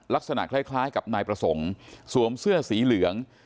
ลักษณะคล้ายกับนายประสงค์สวมเสื้อสีเหลือง